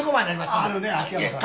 あのね秋山さん。